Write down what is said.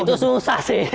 itu susah sih